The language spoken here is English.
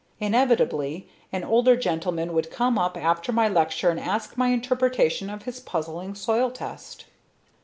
Inevitably, an older gentlemen would come up after my lecture and ask my interpretation of his puzzling soil test.